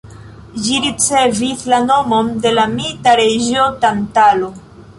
Ĝi ricevis la nomon de la mita reĝo Tantalo.